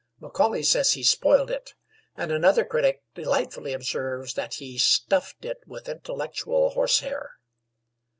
Macaulay says he spoiled it, and another critic delightfully observes that he "stuffed it with intellectual horsehair."